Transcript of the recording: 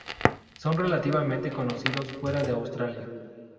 Son relativamente conocidos fuera de Australia.